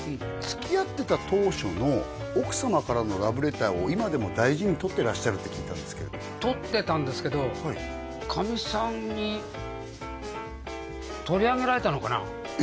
つきあってた当初の奥様からのラブレターを今でも大事に取ってらっしゃるって聞いたんですけれど取ってたんですけどかみさんに取り上げられたのかな？